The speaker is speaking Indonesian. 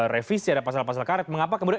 revisi ada pasal pasal karet mengapa kemudian